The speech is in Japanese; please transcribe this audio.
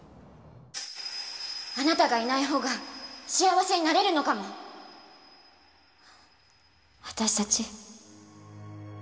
あなたがいないほうが幸せになれるのかも私たち。